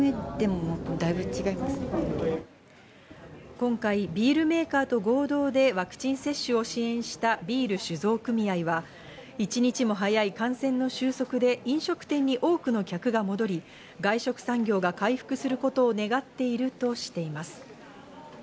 今回ビールメーカーと合同でワクチン接種を支援したビール酒造組合が１日も早い感染の収束で飲食店に多くの客が戻り、外食産業が回復することを願っているとしています。